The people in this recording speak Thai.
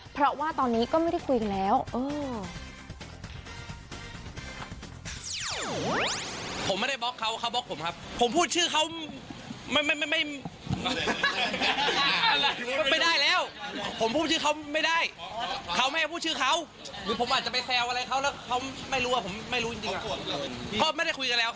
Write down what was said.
เพราะว่าตอนนี้ก็ไม่ได้คุยกันแล้ว